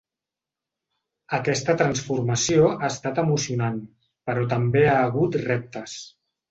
Aquesta transformació ha estat emocionant, però també ha hagut reptes.